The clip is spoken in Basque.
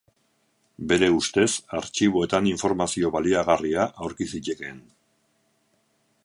Bere ustez artxiboetan informazio baliagarria aurki zitekeen.